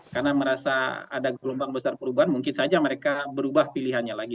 karena merasa ada gelombang besar perubahan mungkin saja mereka berubah pilihannya lagi